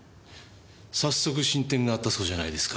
早速進展があったそうじゃないですか。